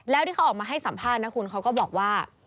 แล้วที่เขาออกมาให้สัมภาษณ์นะคุณเขาก็บอกว่า